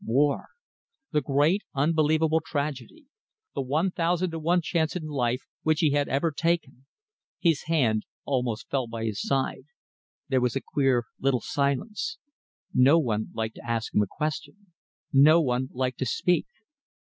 War! The great, unbelievable tragedy, the one thousand to one chance in life which he had ever taken! His hand almost fell to his side. There was a queer little silence. No one liked to ask him a question; no one liked to speak.